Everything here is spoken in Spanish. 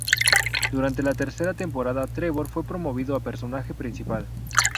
Durante la tercera temporada Trevor fue promovido a personaje principal.